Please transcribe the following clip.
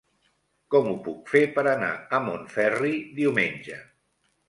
Com ho puc fer per anar a Montferri diumenge?